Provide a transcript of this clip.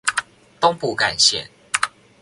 東部幹線